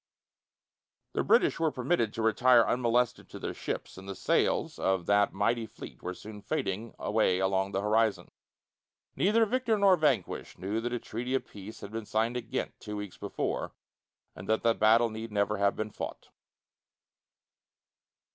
The British were permitted to retire unmolested to their ships, and the sails of that mighty fleet were soon fading away along the horizon. Neither victor nor vanquished knew that a treaty of peace had been signed at Ghent two weeks before, and that the battle need never have been fought.